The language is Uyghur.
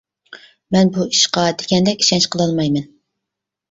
مەن بۇ ئىشقا دېگەندەك ئىشەنچ قىلالمايمەن.